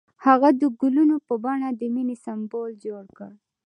هغه د ګلونه په بڼه د مینې سمبول جوړ کړ.